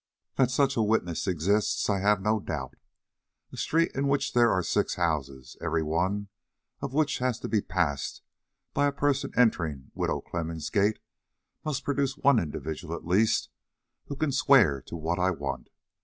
That such a witness exists I have no doubt. A street in which there are six houses, every one of which has to be passed by the person entering Widow Clemmens' gate, must produce one individual, at least, who can swear to what I want.